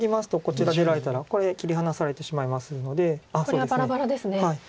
これはバラバラですね。